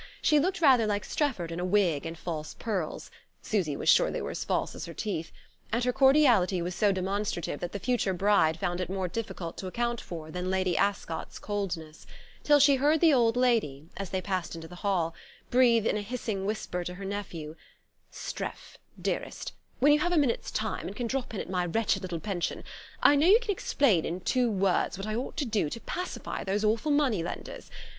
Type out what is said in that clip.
She looked rather like Strefford in a wig and false pearls (Susy was sure they were as false as her teeth); and her cordiality was so demonstrative that the future bride found it more difficult to account for than Lady Ascot's coldness, till she heard the old lady, as they passed into the hall, breathe in a hissing whisper to her nephew: "Streff, dearest, when you have a minute's time, and can drop in at my wretched little pension, I know you can explain in two words what I ought to do to pacify those awful money lenders....